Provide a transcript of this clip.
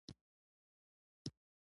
بې مسؤلیته انجینران ټولنې ته زیان رسوي.